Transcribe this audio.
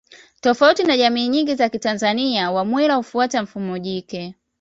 Tofauti na jamii nyingi za kitanzania Wamwera hufuata mfumo jike